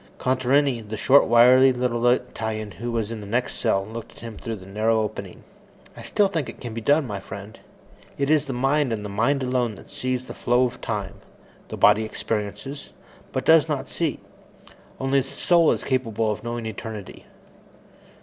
Contarini, the short, wiry little Italian who was in the next cell, looked at him through the narrow opening. "I still think it can be done, my friend. It is the mind and the mind alone that sees the flow of time. The body experiences, but does not see. Only the soul is capable of knowing eternity."